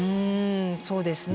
そうですね。